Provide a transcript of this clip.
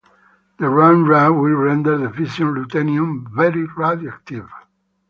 The Ru and Ru will render the fission ruthenium very radioactive.